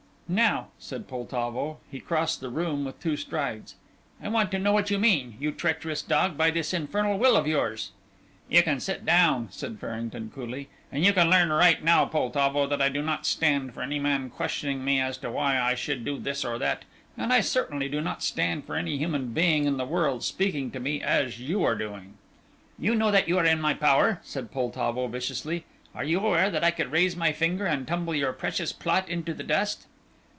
"Now," said Poltavo, he crossed the room with two strides, "I want to know what you mean you treacherous dog by this infernal will of yours!" "You can sit down," said Farrington, coolly, "and you can learn right now, Poltavo, that I do not stand for any man questioning me as to why I should do this or that, and I certainly do not stand for any human being in the world speaking to me as you are doing." "You know that you are in my power," said Poltavo, viciously. "Are you aware that I could raise my finger and tumble your precious plot into the dust?"